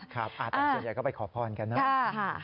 ครับแต่เชียงใหญ่ก็ไปขอพรกันนะ